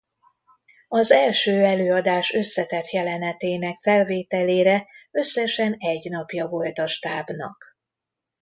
Az első előadás összetett jelenetének felvételére összesen egy napja volt a stábnak.